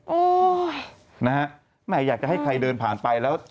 นะฮะแม่อยากจะให้ใครเดินผ่านไปแล้ว